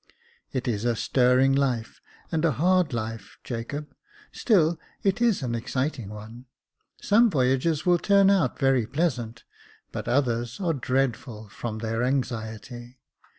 "It is a stirring life, and a hard life, Jacob, still it is an exciting one. Some voyages will turn out very pleasant, but others are dreadful, from their anxiety.